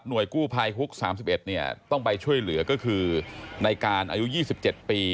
กู้ภัยฮุก๓๑เนี่ยต้องไปช่วยเหลือก็คือในการอายุ๒๗ปี